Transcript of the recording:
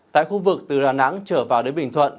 tại khu vực từ đà nẵng trở vào đến bình thuận